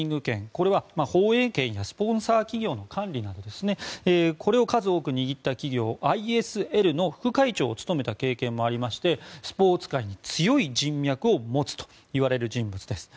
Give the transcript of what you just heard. これは放映権やスポンサー企業の管理などですがこれを数多く握った企業ＩＳＬの副会長を務めた経験もありましてスポーツ界に強い人脈を持つといわれる人物です。